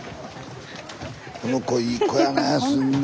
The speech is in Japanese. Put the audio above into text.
この子いい子やねすんごい。